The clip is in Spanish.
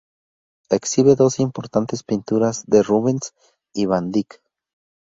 Exhibe dos importantes pinturas de Rubens y Van Dyck.